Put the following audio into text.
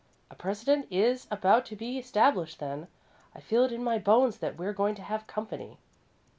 "A precedent is about to be established, then. I feel it in my bones that we're going to have company."